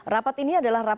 rapat ini adalah rapat